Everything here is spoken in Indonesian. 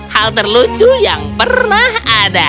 hal terlucu yang pernah ada